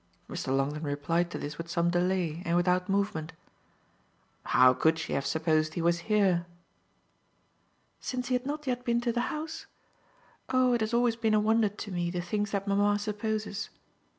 Mr. Longdon replied to this with some delay and without movement. "How could she have supposed he was here?" "Since he had not yet been to the house? Oh it has always been a wonder to me, the things that mamma supposes!